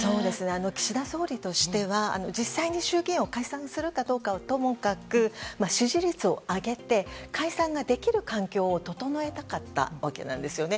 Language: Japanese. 岸田総理としては実際に衆議院を解散するかどうかはともかく支持率を上げて解散ができる環境を整えたかったわけなんですよね。